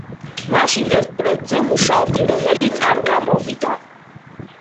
მაშინ ერთ პროექტზე ვმუშაობდი, რომელიც არ გამოვიდა.